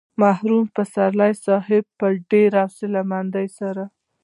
مرحوم پسرلي صاحب په ډېره حوصله مندۍ سره.